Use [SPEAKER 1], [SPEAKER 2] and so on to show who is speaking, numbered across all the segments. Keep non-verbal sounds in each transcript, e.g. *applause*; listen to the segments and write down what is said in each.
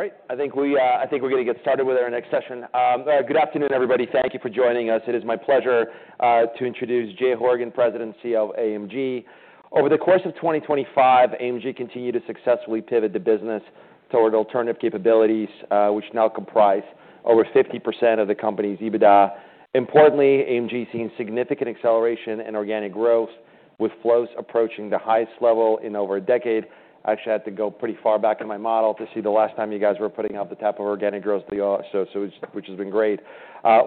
[SPEAKER 1] All right. I think we're going to get started with our next session. Good afternoon, everybody. Thank you for joining us. It is my pleasure to introduce Jay Horgen, President and CEO of AMG. Over the course of 2025, AMG continued to successfully pivot the business toward alternative capabilities, which now comprise over 50% of the company's EBITDA. Importantly, AMG has seen significant acceleration in organic growth, with flows approaching the highest level in over a decade. I actually had to go pretty far back in my model to see the last time you guys were putting out the type of organic growth, which has been great.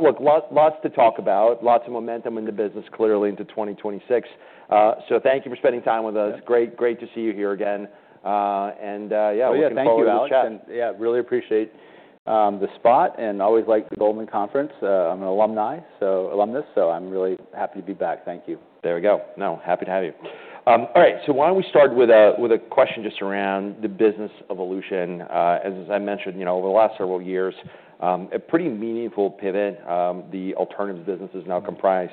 [SPEAKER 1] Look, lots to talk about, lots of momentum in the business clearly into 2026. So thank you for spending time with us. Great, great to see you here again, and yeah, we had a great chat.
[SPEAKER 2] Yeah, really appreciate the spot and always like the Goldman Sachs Conference. I'm an alumni, so alumnus, so I'm really happy to be back. Thank you.
[SPEAKER 1] There we go. No, happy to have you. All right. So why don't we start with a question just around the business evolution? As I mentioned, over the last several years, a pretty meaningful pivot. The alternatives businesses now comprise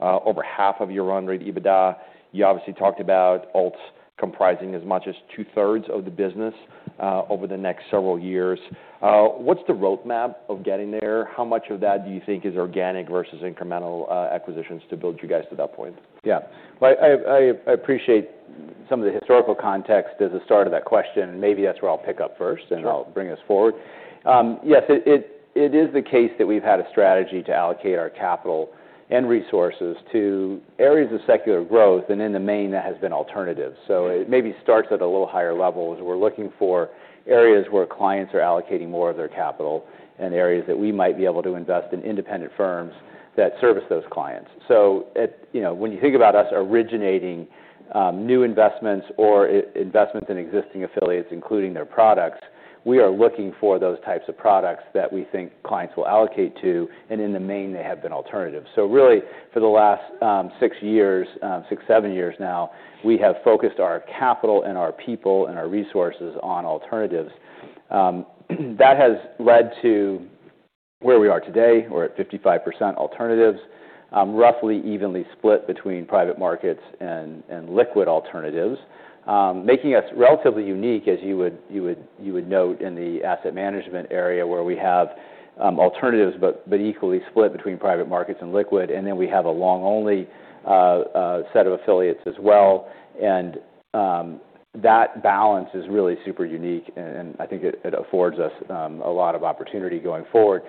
[SPEAKER 1] over half of your run rate EBITDA. You obviously talked about alts comprising as much as two-thirds of the business over the next several years. What's the roadmap of getting there? How much of that do you think is organic versus incremental acquisitions to build you guys to that point? Yeah. Well, I appreciate some of the historical context as a start of that question. And maybe that's where I'll pick up first and I'll bring us forward. Yes, it is the case that we've had a strategy to allocate our capital and resources to areas of secular growth and in the main that has been alternatives. So it maybe starts at a little higher level as we're looking for areas where clients are allocating more of their capital and areas that we might be able to invest in independent firms that service those clients. So when you think about us originating new investments or investments in existing affiliates, including their products, we are looking for those types of products that we think clients will allocate to. And in the main, they have been alternatives. So really, for the last six years, six, seven years now, we have focused our capital and our people and our resources on alternatives. That has led to where we are today. We're at 55% alternatives, roughly evenly split between private markets and liquid alternatives, making us relatively unique, as you would note, in the asset management area where we have alternatives but equally split between private markets and liquid. And then we have a long-only set of affiliates as well. And that balance is really super unique. And I think it affords us a lot of opportunity going forward.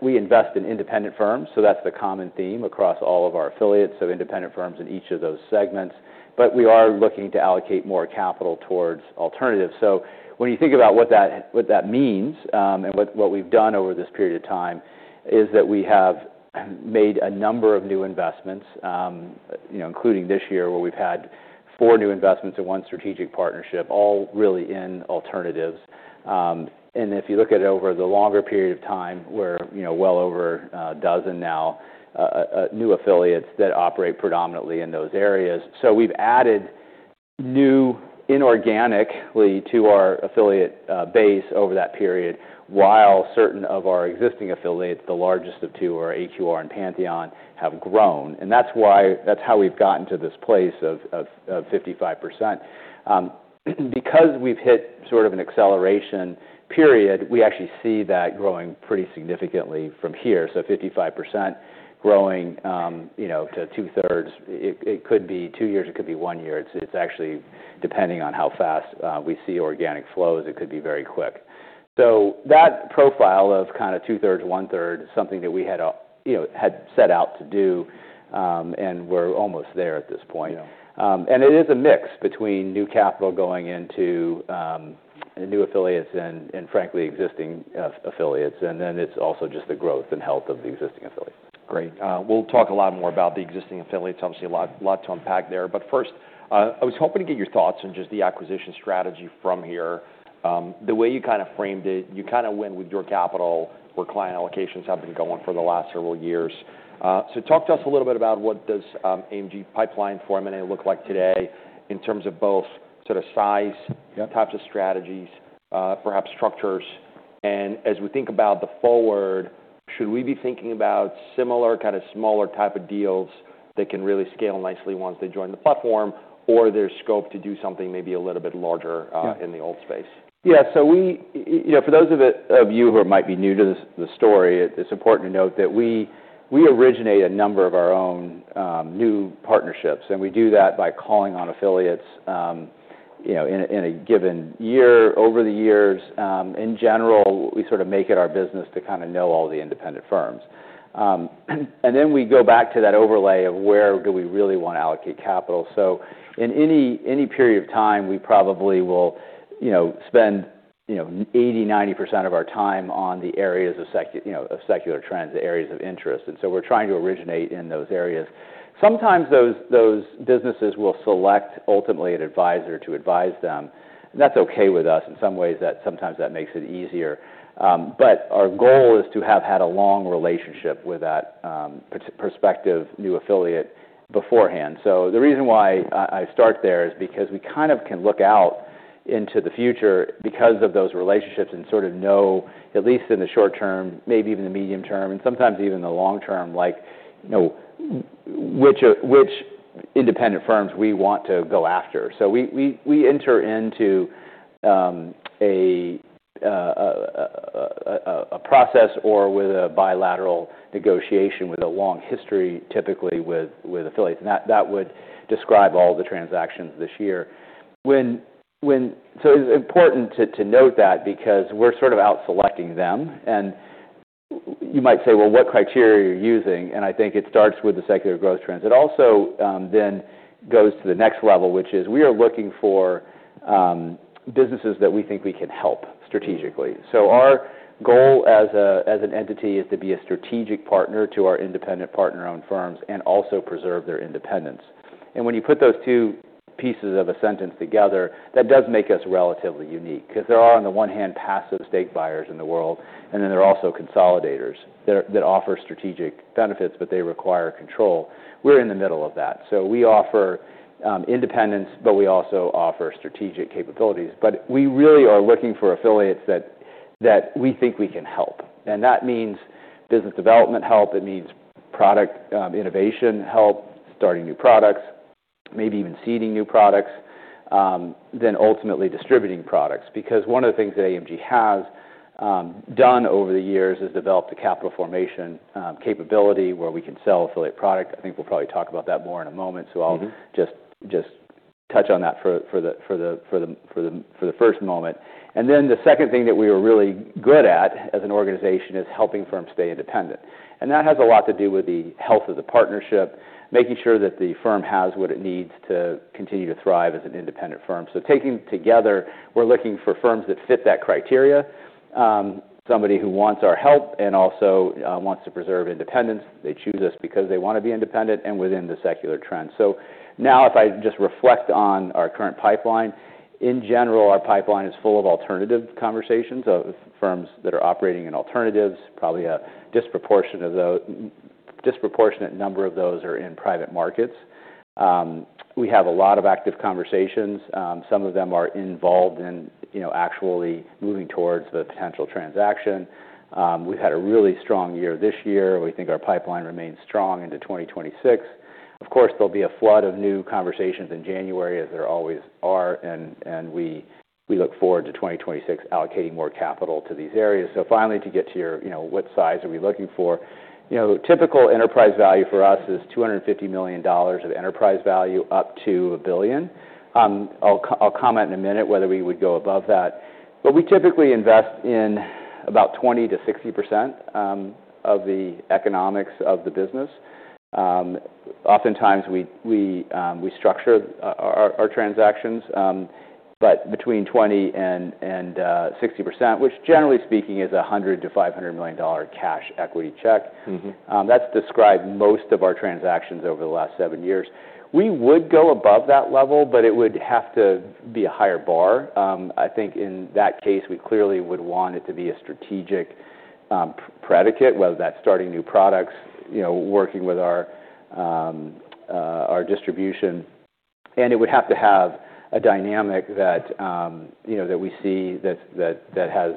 [SPEAKER 1] We invest in independent firms. So that's the common theme across all of our affiliates, so independent firms in each of those segments. But we are looking to allocate more capital towards alternatives. So when you think about what that means and what we've done over this period of time is that we have made a number of new investments, including this year where we've had four new investments and one strategic partnership, all really in alternatives. And if you look at it over the longer period of time, we're well over a dozen now new affiliates that operate predominantly in those areas. So we've added new inorganically to our affiliate base over that period, while certain of our existing affiliates, the largest of two are AQR and Pantheon, have grown. And that's how we've gotten to this place of 55%. Because we've hit sort of an acceleration period, we actually see that growing pretty significantly from here. So 55% growing to two-thirds. It could be two years. It could be one year. It's actually depending on how fast we see organic flows. It could be very quick. So that profile of kind of two-thirds, one-third, something that we had set out to do. And we're almost there at this point. And it is a mix between new capital going into new affiliates and, frankly, existing affiliates. And then it's also just the growth and health of the existing affiliates. Great. We'll talk a lot more about the existing affiliates. Obviously, a lot to unpack there. But first, I was hoping to get your thoughts on just the acquisition strategy from here. The way you kind of framed it, you kind of went with your capital where client allocations have been going for the last several years. So talk to us a little bit about what does AMG pipeline for M&A look like today in terms of both sort of size, types of strategies, perhaps structures. And as we think about the forward, should we be thinking about similar kind of smaller type of deals that can really scale nicely once they join the platform, or there's scope to do something maybe a little bit larger in the alt space?
[SPEAKER 2] Yeah. So for those of you who might be new to the story, it's important to note that we originate a number of our own new partnerships. And we do that by calling on affiliates in a given year over the years. In general, we sort of make it our business to kind of know all the independent firms. And then we go back to that overlay of where do we really want to allocate capital. So in any period of time, we probably will spend 80%-90% of our time on the areas of secular trends, the areas of interest. And so we're trying to originate in those areas. Sometimes those businesses will select ultimately an advisor to advise them. And that's okay with us in some ways that sometimes that makes it easier. But our goal is to have had a long relationship with that prospective new affiliate beforehand. So the reason why I start there is because we kind of can look out into the future because of those relationships and sort of know, at least in the short term, maybe even the medium term, and sometimes even the long term, which independent firms we want to go after. So we enter into a process or with a bilateral negotiation with a long history, typically with affiliates. And that would describe all the transactions this year. So it's important to note that because we're sort of out selecting them. And you might say, "Well, what criteria are you using?" And I think it starts with the secular growth trends. It also then goes to the next level, which is we are looking for businesses that we think we can help strategically. Our goal as an entity is to be a strategic partner to our independent partner-owned firms and also preserve their independence. When you put those two pieces of a sentence together, that does make us relatively unique because there are, on the one hand, passive stake buyers in the world, and then there are also consolidators that offer strategic benefits, but they require control. We're in the middle of that. We offer independence, but we also offer strategic capabilities. We really are looking for affiliates that we think we can help. That means business development help. It means product innovation help, starting new products, maybe even seeding new products, then ultimately distributing products. One of the things that AMG has done over the years is developed a capital formation capability where we can sell affiliate product. I think we'll probably talk about that more in a moment, so I'll just touch on that for the first moment, and then the second thing that we are really good at as an organization is helping firms stay independent, and that has a lot to do with the health of the partnership, making sure that the firm has what it needs to continue to thrive as an independent firm, so taking together, we're looking for firms that fit that criteria, somebody who wants our help and also wants to preserve independence. They choose us because they want to be independent and within the secular trends, so now, if I just reflect on our current pipeline, in general, our pipeline is full of alternative conversations of firms that are operating in alternatives. Probably a disproportionate number of those are in private markets. We have a lot of active conversations. Some of them are involved in actually moving towards the potential transaction. We've had a really strong year this year. We think our pipeline remains strong into 2026. Of course, there'll be a flood of new conversations in January, as there always are. And we look forward to 2026 allocating more capital to these areas. So finally, to get to your, "What size are we looking for?" Typical enterprise value for us is $250 million-$1 billion. I'll comment in a minute whether we would go above that. But we typically invest in about 20%-60% of the economics of the business. Oftentimes, we structure our transactions, but between 20% and 60%, which generally speaking is a $100-$500 million cash equity check. That's described most of our transactions over the last seven years. We would go above that level, but it would have to be a higher bar. I think in that case, we clearly would want it to be a strategic predicate, whether that's starting new products, working with our distribution, and it would have to have a dynamic that we see that has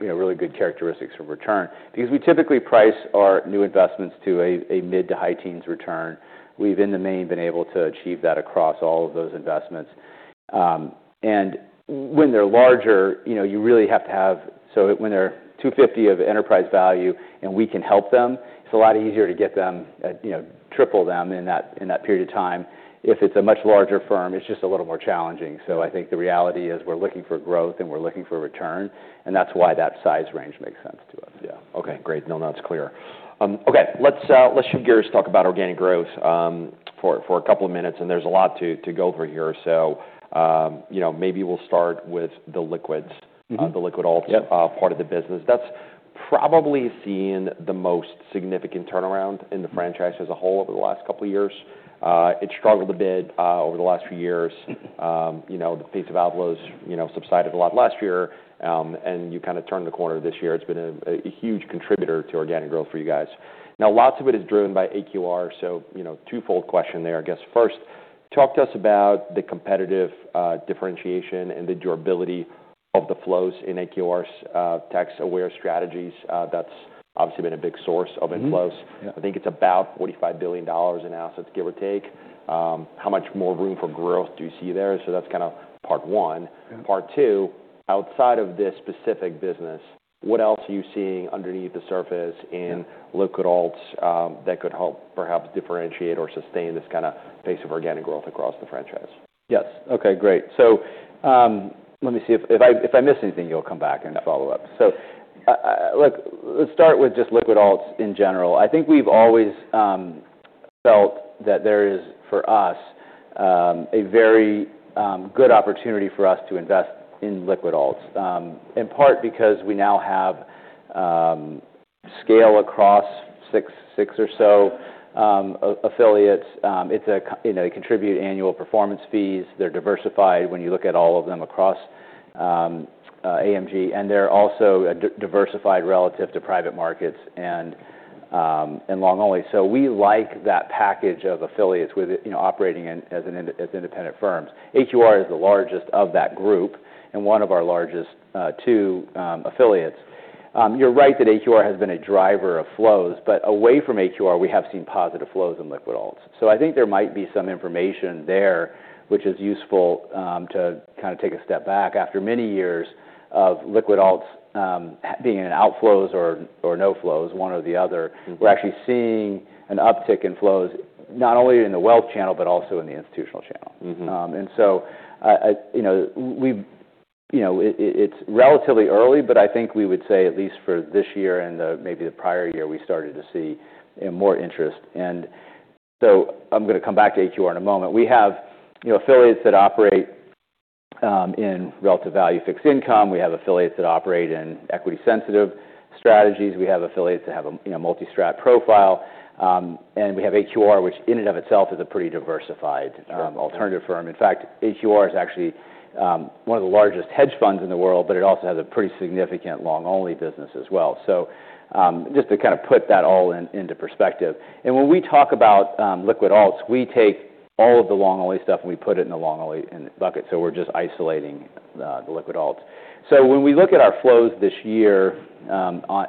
[SPEAKER 2] really good characteristics of return because we typically price our new investments to a mid- to high-teens return. We've in the main been able to achieve that across all of those investments, and when they're larger, you really have to have so when they're $250 million of enterprise value and we can help them, it's a lot easier to get them, triple them in that period of time. If it's a much larger firm, it's just a little more challenging, so I think the reality is we're looking for growth and we're looking for return. That's why that size range makes sense to us.
[SPEAKER 1] Yeah. Okay. Great. No, that's clear. Okay. Let's shift gears, talk about organic growth for a couple of minutes. And there's a lot to go over here. So maybe we'll start with the liquids, the liquid alts part of the business. That's probably seen the most significant turnaround in the franchise as a whole over the last couple of years. It struggled a bit over the last few years. The pace of outflows subsided a lot last year. And you kind of turned the corner this year. It's been a huge contributor to organic growth for you guys. Now, lots of it is driven by AQR. So twofold question there, I guess. First, talk to us about the competitive differentiation and the durability of the flows in AQR's tax-aware strategies. That's obviously been a big source of inflows. I think it's about $45 billion in assets, give or take. How much more room for growth do you see there? So that's kind of part one. Part two, outside of this specific business, what else are you seeing underneath the surface in liquid alts that could help perhaps differentiate or sustain this kind of pace of organic growth across the franchise?
[SPEAKER 2] Yes. Okay. Great. So let me see if I missed anything. You'll come back and follow up. So let's start with just liquid alts in general. I think we've always felt that there is, for us, a very good opportunity for us to invest in liquid alts, in part because we now have scale across six or so affiliates. They contribute annual performance fees. They're diversified when you look at all of them across AMG. And they're also diversified relative to private markets and long-only. So we like that package of affiliates operating as independent firms. AQR is the largest of that group and one of our largest two affiliates. You're right that AQR has been a driver of flows. But away from AQR, we have seen positive flows in liquid alts. I think there might be some information there, which is useful to kind of take a step back. After many years of liquid alts being in outflows or no flows, one or the other, we're actually seeing an uptick in flows not only in the wealth channel, but also in the institutional channel. And so it's relatively early, but I think we would say at least for this year and maybe the prior year, we started to see more interest. And so I'm going to come back to AQR in a moment. We have affiliates that operate in relative value fixed income. We have affiliates that operate in equity-sensitive strategies. We have affiliates that have a multi-strat profile. And we have AQR, which in and of itself is a pretty diversified alternative firm. In fact, AQR is actually one of the largest hedge funds in the world, but it also has a pretty significant long-only business as well, so just to kind of put that all into perspective, and when we talk about liquid alts, we take all of the long-only stuff and we put it in the long-only bucket, so we're just isolating the liquid alts, so when we look at our flows this year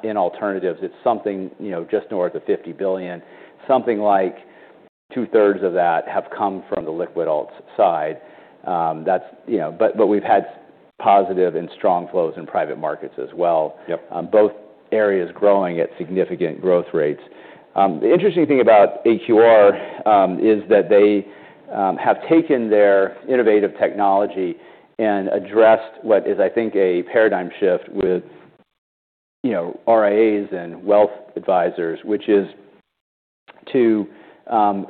[SPEAKER 2] in alternatives, it's something just north of $50 billion. Something like two-thirds of that have come from the liquid alts side, but we've had positive and strong flows in private markets as well, both areas growing at significant growth rates. The interesting thing about AQR is that they have taken their innovative technology and addressed what is, I think, a paradigm shift with RIAs and wealth advisors, which is to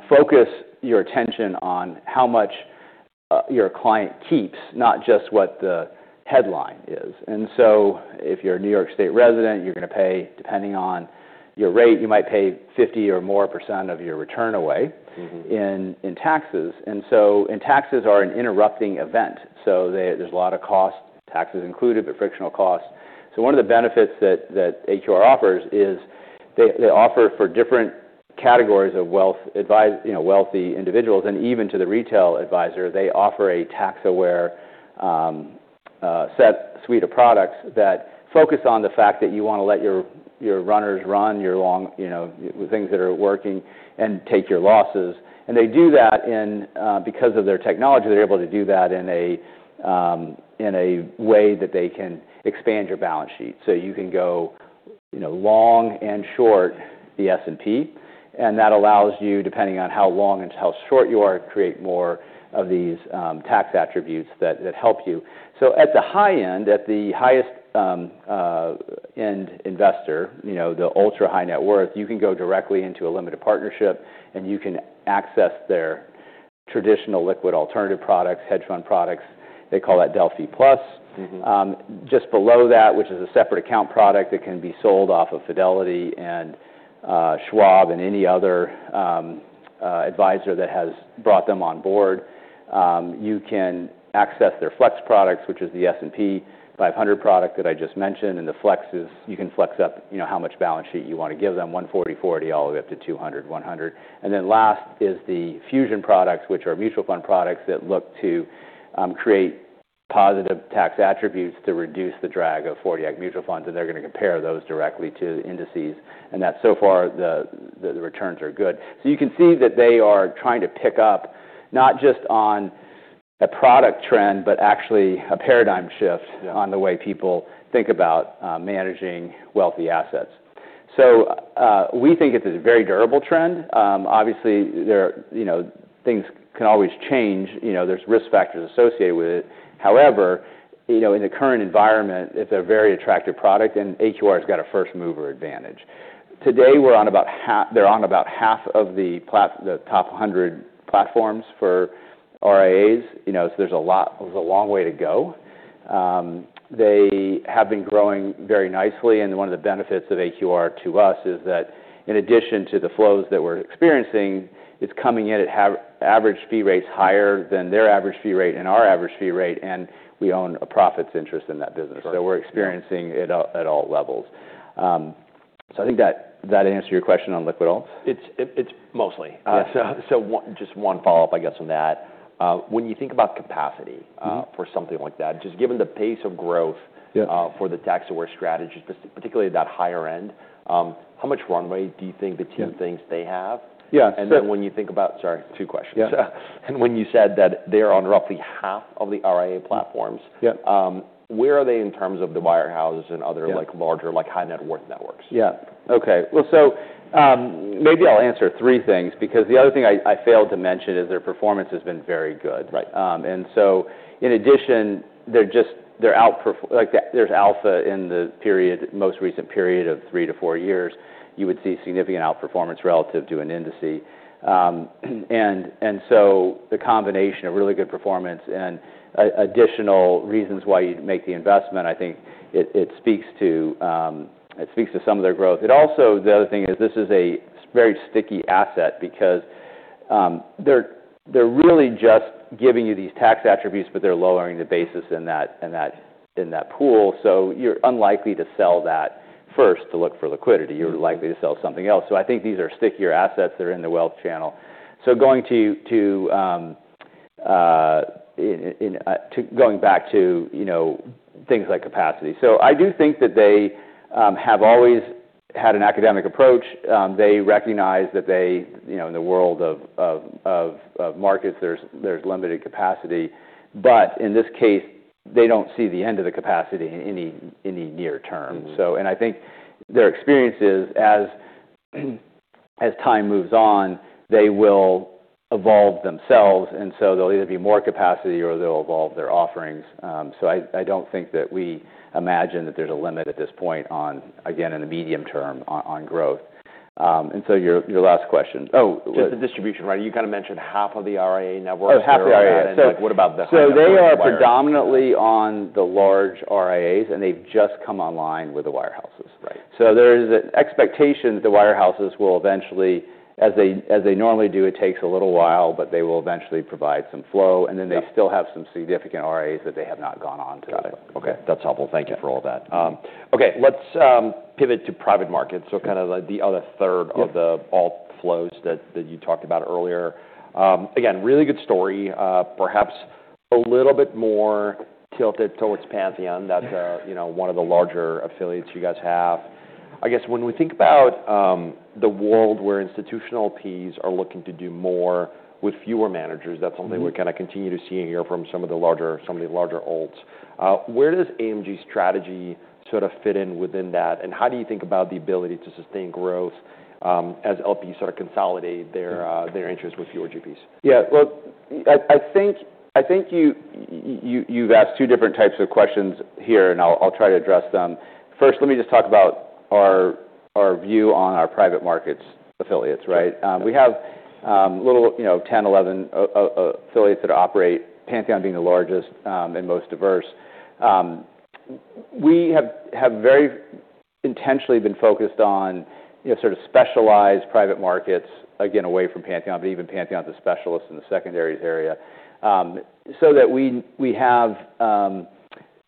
[SPEAKER 2] focus your attention on how much your client keeps, not just what the headline is, and so if you're a New York State resident, you're going to pay, depending on your rate, you might pay 50% or more of your return away in taxes, and so taxes are an interrupting event, so there's a lot of cost, taxes included, but frictional costs, so one of the benefits that AQR offers is they offer for different categories of wealthy individuals and even to the retail advisor, they offer a tax-aware suite of products that focus on the fact that you want to let your winners run, your long things that are working, and take your losses. And they do that because of their technology. They're able to do that in a way that they can expand your balance sheet. So you can go long and short the S&P. And that allows you, depending on how long and how short you are, to create more of these tax attributes that help you. So at the high end, at the highest end investor, the ultra high net worth, you can go directly into a limited partnership, and you can access their traditional liquid alternative products, hedge fund products. They call that Delphi Plus. Just below that, which is a separate account product that can be sold off of Fidelity and Schwab and any other advisor that has brought them on board, you can access their Flex products, which is the S&P 500 product that I just mentioned. And the Flex is you can flex up how much balance sheet you want to give them, 140, 40, all the way up to 200, 100. And then last is the Fusion products, which are mutual fund products that look to create positive tax attributes to reduce the drag of 40 Act mutual funds. And they're going to compare those directly to indices. And so far, the returns are good. So you can see that they are trying to pick up not just on a product trend, but actually a paradigm shift on the way people think about managing wealthy assets. So we think it's a very durable trend. Obviously, things can always change. There's risk factors associated with it. However, in the current environment, it's a very attractive product, and AQR has got a first-mover advantage. Today, they're on about half of the top 100 platforms for RIAs. So there's a long way to go. They have been growing very nicely. And one of the benefits of AQR to us is that in addition to the flows that we're experiencing, it's coming in at average fee rates higher than their average fee rate and our average fee rate. And we own a profits interest in that business. So we're experiencing it at all levels. So I think that answers your question on liquid alts. It's mostly.
[SPEAKER 1] So just one follow-up, I guess, on that. When you think about capacity for something like that, just given the pace of growth for the tax-aware strategies, particularly that higher end, how much runway do you think the team thinks they have? And then when you think about, sorry, two questions. When you said that they're on roughly half of the RIA platforms, where are they in terms of the wirehouses and other larger high-net-worth networks?
[SPEAKER 2] Yeah. Okay, well, so maybe I'll answer three things because the other thing I failed to mention is their performance has been very good, and so in addition, there's alpha in the most recent period of three-to-four years. You would see significant outperformance relative to an industry, and so the combination of really good performance and additional reasons why you'd make the investment, I think it speaks to some of their growth, and also, the other thing is this is a very sticky asset because they're really just giving you these tax attributes, but they're lowering the basis in that pool, so you're unlikely to sell that first to look for liquidity. You're likely to sell something else, so I think these are stickier assets that are in the wealth channel, so going back to things like capacity. So, I do think that they have always had an academic approach. They recognize that in the world of markets, there's limited capacity. But in this case, they don't see the end of the capacity in any near term. And I think their experience is as time moves on, they will evolve themselves. And so there'll either be more capacity or they'll evolve their offerings. So I don't think that we imagine that there's a limit at this point, again, in the medium term on growth. And so your last question.
[SPEAKER 1] Oh. Just the distribution, right? You kind of mentioned half of the RIA networks.
[SPEAKER 2] Oh, half the RIAs. *crosstalk* So they are predominantly on the large RIAs, and they've just come online with the wirehouses. So there is an expectation that the wirehouses will eventually, as they normally do, it takes a little while, but they will eventually provide some flow. And then they still have some significant RIAs that they have not gone on to.
[SPEAKER 1] Got it. Okay. That's helpful. Thank you for all that. Okay. Let's pivot to private markets. So kind of the other third of the alts flows that you talked about earlier. Again, really good story. Perhaps a little bit more tilted towards Pantheon, one of the larger affiliates you guys have. I guess when we think about the world where institutional LPs are looking to do more with fewer managers, that's something we're kind of continuing to see and hear from some of the larger alts. Where does AMG's strategy sort of fit in within that? And how do you think about the ability to sustain growth as LPs sort of consolidate their interest with fewer GPs?
[SPEAKER 2] Yeah, well, I think you've asked two different types of questions here, and I'll try to address them. First, let me just talk about our view on our private markets affiliates, right? We have like 10, 11 affiliates that operate, Pantheon being the largest and most diverse. We have very intentionally been focused on sort of specialized private markets, again, away from Pantheon, but even Pantheon's a specialist in the secondaries area, so that we have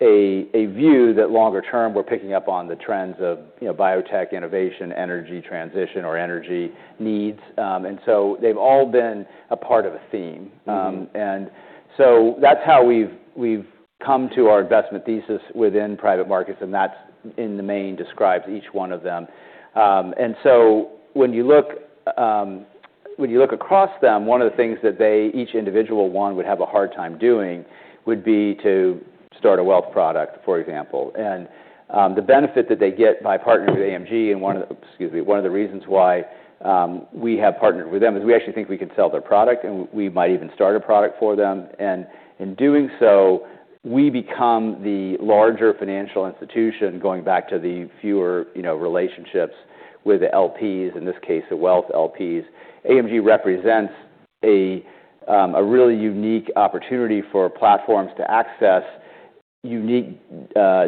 [SPEAKER 2] a view that longer term, we're picking up on the trends of biotech innovation, energy transition, or energy needs. And so they've all been a part of a theme. And so that's how we've come to our investment thesis within private markets. And that's in the main describes each one of them. And so when you look across them, one of the things that each individual one would have a hard time doing would be to start a wealth product, for example. And the benefit that they get by partnering with AMG and one of the, excuse me, one of the reasons why we have partnered with them is we actually think we could sell their product, and we might even start a product for them. And in doing so, we become the larger financial institution going back to the fewer relationships with the LPs, in this case, the wealth LPs. AMG represents a really unique opportunity for platforms to access unique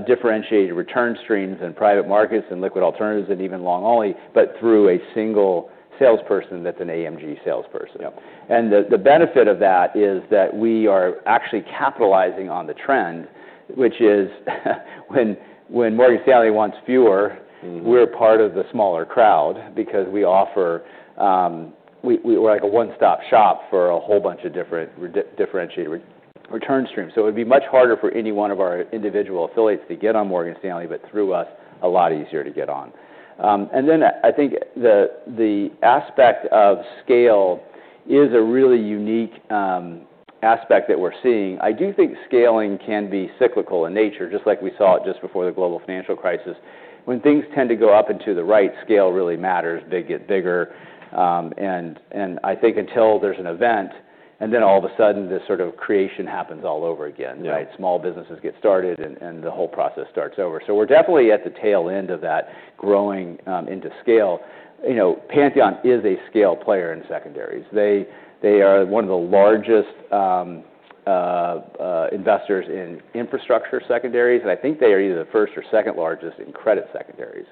[SPEAKER 2] differentiated return streams in private markets and liquid alternatives and even long-only, but through a single salesperson that's an AMG salesperson. And the benefit of that is that we are actually capitalizing on the trend, which is when Morgan Stanley wants fewer, we're part of the smaller crowd because we offer—we're like a one-stop shop for a whole bunch of different differentiated return streams. So it would be much harder for any one of our individual affiliates to get on Morgan Stanley, but through us, a lot easier to get on. And then I think the aspect of scale is a really unique aspect that we're seeing. I do think scaling can be cyclical in nature, just like we saw it just before the global financial crisis. When things tend to go up and to the right, scale really matters. They get bigger. And I think until there's an event, and then all of a sudden, this sort of creation happens all over again, right? Small businesses get started, and the whole process starts over, so we're definitely at the tail end of that growing into scale. Pantheon is a scale player in secondaries. They are one of the largest investors in infrastructure secondaries, and I think they are either the first or second largest in credit secondaries,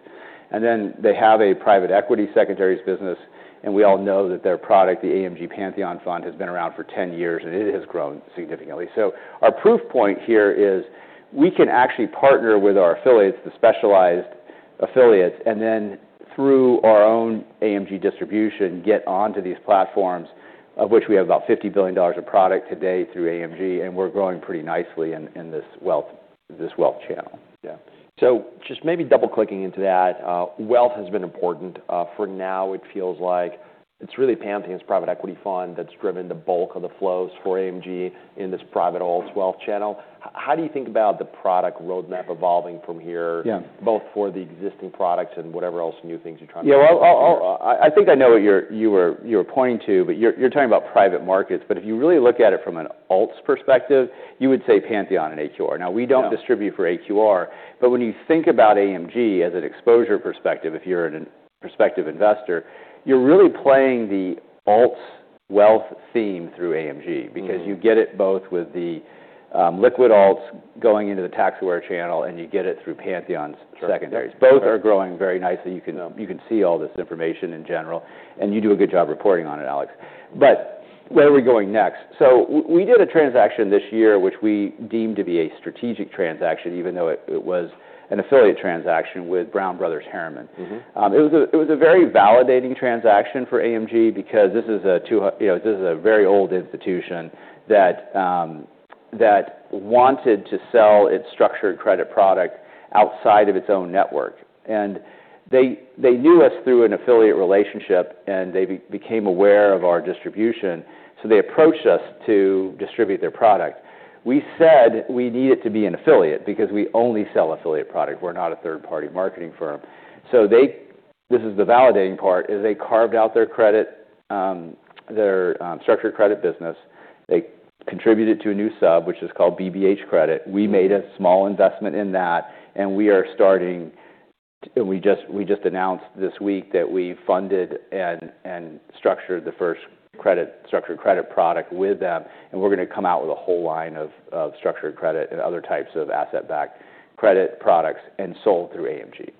[SPEAKER 2] and then they have a private equity secondaries business, and we all know that their product, the AMG Pantheon Fund, has been around for 10 years, and it has grown significantly, so our proof point here is we can actually partner with our affiliates, the specialized affiliates, and then through our own AMG distribution, get onto these platforms, of which we have about $50 billion of product today through AMG, and we're growing pretty nicely in this wealth channel.
[SPEAKER 1] Yeah. So just maybe double-clicking into that, wealth has been important. For now, it feels like it's really Pantheon's private equity fund that's driven the bulk of the flows for AMG in this private alts wealth channel. How do you think about the product roadmap evolving from here, both for the existing products and whatever else new things you're trying to do?
[SPEAKER 2] Yeah. Well, I think I know what you were pointing to, but you're talking about private markets. But if you really look at it from an alts perspective, you would say Pantheon and AQR. Now, we don't distribute for AQR. But when you think about AMG as an exposure perspective, if you're a prospective investor, you're really playing the alts wealth theme through AMG because you get it both with the liquid alts going into the tax-aware channel, and you get it through Pantheon's secondaries. Both are growing very nicely. You can see all this information in general. And you do a good job reporting on it, Alex. But where are we going next? So we did a transaction this year, which we deemed to be a strategic transaction, even though it was an affiliate transaction with Brown Brothers Herriman. It was a very validating transaction for AMG because this is a very old institution that wanted to sell its structured credit product outside of its own network, and they knew us through an affiliate relationship, and they became aware of our distribution, so they approached us to distribute their product. We said we need it to be an affiliate because we only sell affiliate product. We're not a third-party marketing firm, so this is the validating part: they carved out their structured credit business, they contributed to a new sub, which is called BBH Credit. We made a small investment in that, and we're starting, we just announced this week that we funded and structured the first structured credit product with them, and we're going to come out with a whole line of structured credit and other types of asset-backed credit products and sold through AMG.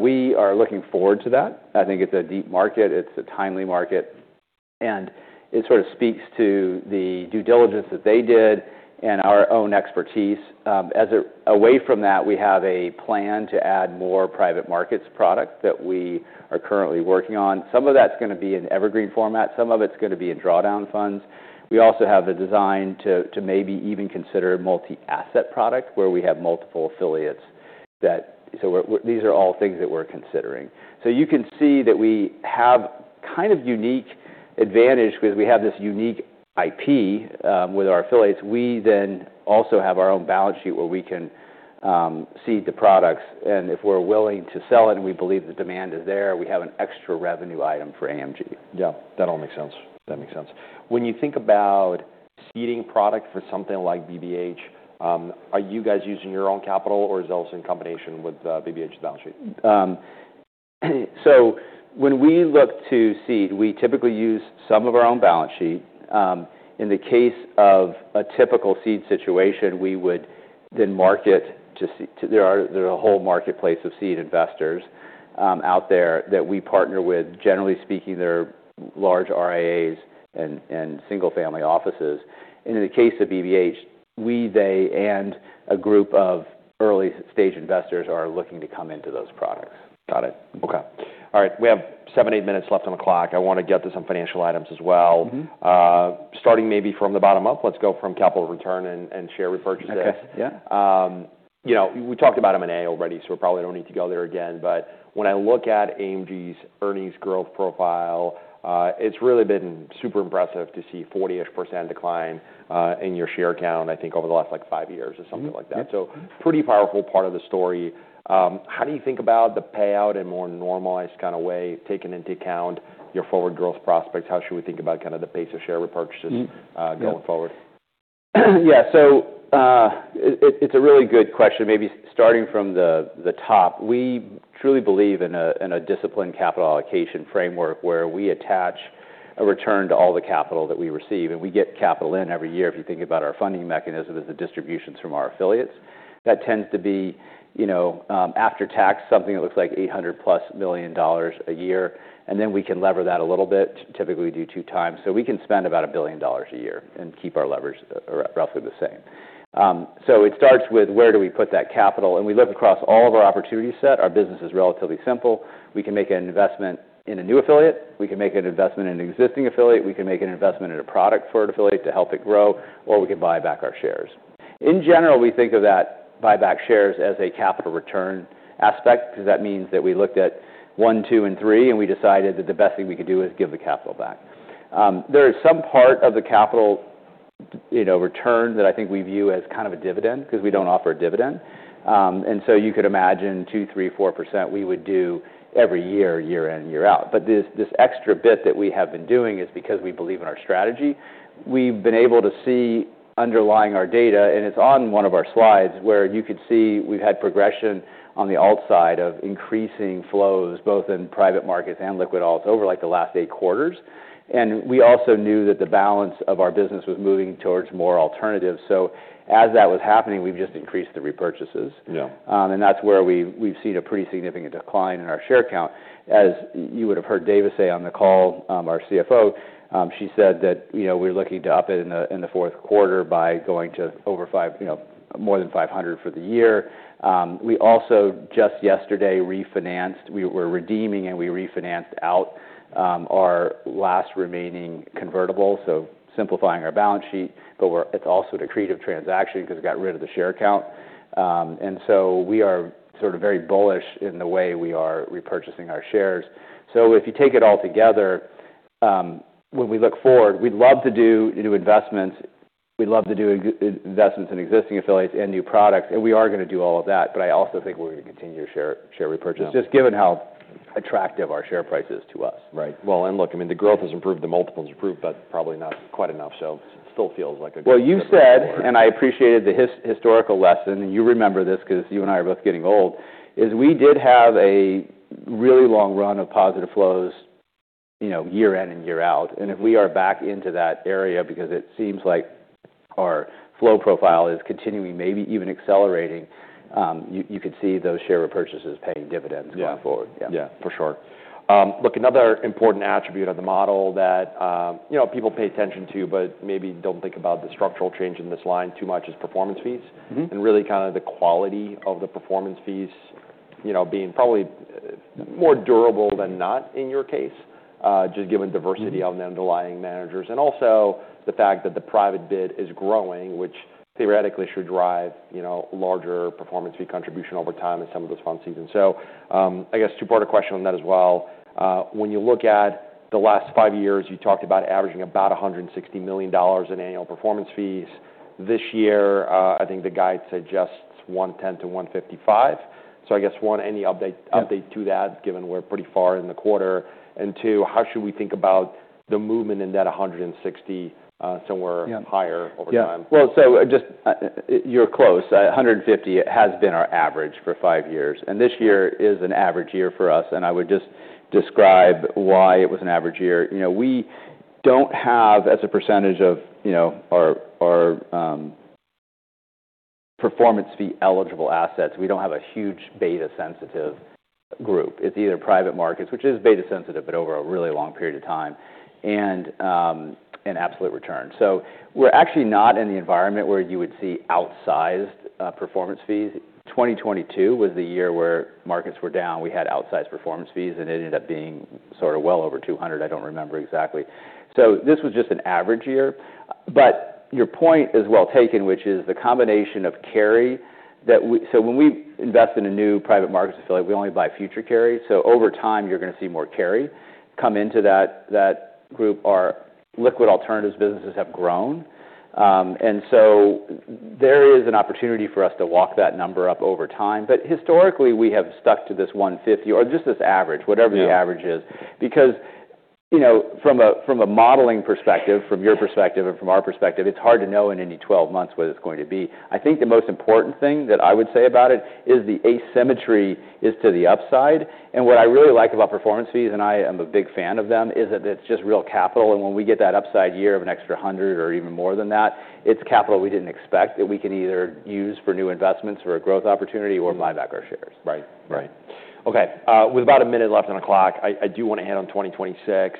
[SPEAKER 2] We are looking forward to that. I think it's a deep market. It's a timely market. And it sort of speaks to the due diligence that they did and our own expertise. Away from that, we have a plan to add more private markets products that we are currently working on. Some of that's going to be in evergreen format. Some of it's going to be in drawdown funds. We also have the desire to maybe even consider a multi-asset product where we have multiple affiliates. So these are all things that we're considering. So you can see that we have kind of a unique advantage because we have this unique IP with our affiliates. We then also have our own balance sheet where we can seed the products. If we're willing to sell it and we believe the demand is there, we have an extra revenue item for AMG.
[SPEAKER 1] Yeah. That all makes sense. That makes sense. When you think about seeding product for something like BBH, are you guys using your own capital, or is it also in combination with BBH's balance sheet?
[SPEAKER 2] So when we look to seed, we typically use some of our own balance sheet. In the case of a typical seed situation, we would then market to. There's a whole marketplace of seed investors out there that we partner with. Generally speaking, they're large RIAs and single-family offices. And in the case of BBH, we, they, and a group of early-stage investors are looking to come into those products.
[SPEAKER 1] Got it. Okay. All right. We have seven, eight minutes left on the clock. I want to get to some financial items as well. Starting maybe from the bottom up, let's go from capital return and share repurchases. We talked about M&A already, so we probably don't need to go there again. But when I look at AMG's earnings growth profile, it's really been super impressive to see a 40-ish% decline in your share count, I think, over the last five years or something like that. So pretty powerful part of the story. How do you think about the payout in a more normalized kind of way, taking into account your forward growth prospects? How should we think about kind of the pace of share repurchases going forward?
[SPEAKER 2] Yeah. So it's a really good question. Maybe starting from the top, we truly believe in a disciplined capital allocation framework where we attach a return to all the capital that we receive. And we get capital in every year. If you think about our funding mechanism, it's the distributions from our affiliates. That tends to be, after tax, something that looks like $800-plus million a year. And then we can lever that a little bit, typically do two times. So we can spend about $1 billion a year and keep our leverage roughly the same. So it starts with where do we put that capital? And we look across all of our opportunity set. Our business is relatively simple. We can make an investment in a new affiliate. We can make an investment in an existing affiliate. We can make an investment in a product for an affiliate to help it grow, or we can buy back our shares. In general, we think of that buyback shares as a capital return aspect because that means that we looked at one, two, and three, and we decided that the best thing we could do is give the capital back. There is some part of the capital return that I think we view as kind of a dividend because we don't offer a dividend. And so you could imagine two, three, four% we would do every year, year in, year out. But this extra bit that we have been doing is because we believe in our strategy. We've been able to see underlying our data, and it's on one of our slides where you could see we've had progression on the alt side of increasing flows, both in private markets and liquid alts, over the last eight quarters. And we also knew that the balance of our business was moving towards more alternatives. So as that was happening, we've just increased the repurchases. And that's where we've seen a pretty significant decline in our share count. As you would have heard Davis say on the call, our CFO, she said that we're looking to up it in the fourth quarter by going to more than 500 for the year. We also just yesterday refinanced. We were redeeming, and we refinanced out our last remaining convertible, so simplifying our balance sheet. But it's also a creative transaction because we got rid of the share count. And so we are sort of very bullish in the way we are repurchasing our shares. So if you take it all together, when we look forward, we'd love to do new investments. We'd love to do investments in existing affiliates and new products. And we are going to do all of that. But I also think we're going to continue to share repurchases, just given how attractive our share price is to us. Right, well, and look, I mean, the growth has improved. The multiple has improved, but probably not quite enough, so it still feels like a good. You said, and I appreciated the historical lesson, and you remember this because you and I are both getting old, is we did have a really long run of positive flows year in and year out, and if we are back into that area because it seems like our flow profile is continuing, maybe even accelerating, you could see those share repurchases paying dividends going forward.
[SPEAKER 1] Yeah. Yeah. For sure. Look, another important attribute of the model that people pay attention to but maybe don't think about the structural change in this line too much is performance fees and really kind of the quality of the performance fees being probably more durable than not in your case, just given diversity of the underlying managers. And also the fact that the private biz is growing, which theoretically should drive larger performance fee contribution over time in some of those funds' seasons. So I guess two-part question on that as well. When you look at the last five years, you talked about averaging about $160 million in annual performance fees. This year, I think the guide suggests $110-$155 million. So I guess, one, any update to that, given we're pretty far in the quarter? And two, how should we think about the movement in that 160 somewhere higher over time? Well, so just you're close. 150 has been our average for five years, and this year is an average year for us. And I would just describe why it was an average year. We don't have, as a percentage of our performance fee eligible assets, we don't have a huge beta-sensitive group. It's either private markets, which is beta-sensitive, but over a really long period of time and absolute return. So we're actually not in the environment where you would see outsized performance fees. 2022 was the year where markets were down. We had outsized performance fees, and it ended up being sort of well over 200. I don't remember exactly. So this was just an average year. But your point is well taken, which is the combination of carry that we, so when we invest in a new private markets affiliate, we only buy future carry. So over time, you're going to see more carry come into that group. Our liquid alternatives businesses have grown. And so there is an opportunity for us to walk that number up over time. But historically, we have stuck to this 150 or just this average, whatever the average is, because from a modeling perspective, from your perspective and from our perspective, it's hard to know in any 12 months what it's going to be. I think the most important thing that I would say about it is the asymmetry is to the upside. And what I really like about performance fees, and I am a big fan of them, is that it's just real capital. And when we get that upside year of an extra 100 or even more than that, it's capital we didn't expect that we can either use for new investments or a growth opportunity or buy back our shares. Right. Right. Okay. With about a minute left on the clock, I do want to end on 2026.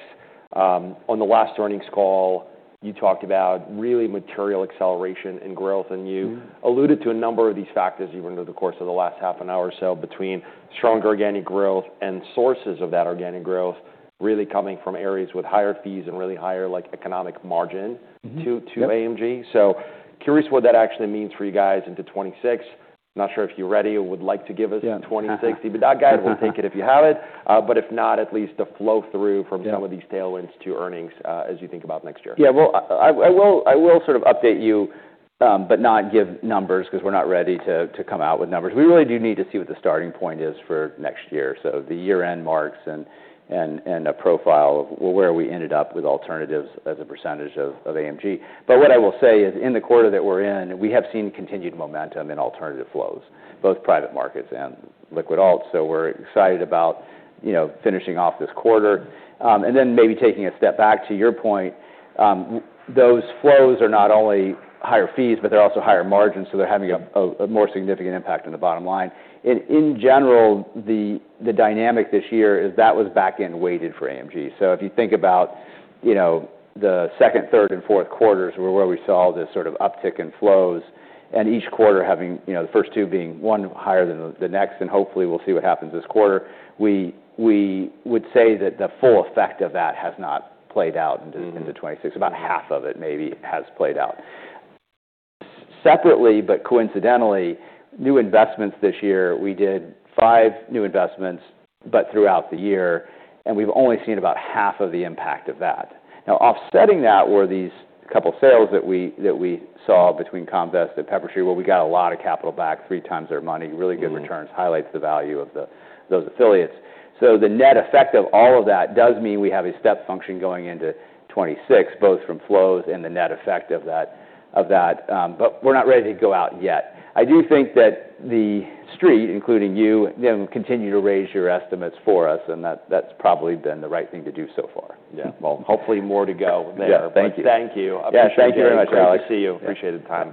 [SPEAKER 1] On the last earnings call, you talked about really material acceleration and growth, and you alluded to a number of these factors even over the course of the last half an hour or so between stronger organic growth and sources of that organic growth really coming from areas with higher fees and really higher economic margin to AMG. So curious what that actually means for you guys into 2026. Not sure if you're ready or would like to give us in 2026, but that guide will take it if you have it. But if not, at least the flow through from some of these tailwinds to earnings as you think about next year.
[SPEAKER 2] Yeah. Well, I will sort of update you, but not give numbers because we're not ready to come out with numbers. We really do need to see what the starting point is for next year, so the year-end marks and a profile of where we ended up with alternatives as a percentage of AMG. But what I will say is in the quarter that we're in, we have seen continued momentum in alternative flows, both private markets and liquid alts. So we're excited about finishing off this quarter. And then maybe taking a step back to your point, those flows are not only higher fees, but they're also higher margins. So they're having a more significant impact on the bottom line. In general, the dynamic this year is that was back-end weighted for AMG. So if you think about the second, third, and fourth quarters where we saw this sort of uptick in flows and each quarter having the first two being one higher than the next, and hopefully, we'll see what happens this quarter, we would say that the full effect of that has not played out into 2026. About half of it maybe has played out. Separately, but coincidentally, new investments this year, we did five new investments, but throughout the year, and we've only seen about half of the impact of that. Now, offsetting that were these couple of sales that we saw between Comvest and Peppertree where we got a lot of capital back, three times their money, really good returns, highlights the value of those affiliates. The net effect of all of that does mean we have a step function going into 2026, both from flows and the net effect of that. But we're not ready to go out yet. I do think that the street, including you, continue to raise your estimates for us, and that's probably been the right thing to do so far.
[SPEAKER 1] Yeah. Well, hopefully, more to go there.
[SPEAKER 2] Thank you.
[SPEAKER 1] Thank you.
[SPEAKER 2] Yeah. Thank you very much, Alex.
[SPEAKER 1] Good to see you.
[SPEAKER 2] Appreciate the time.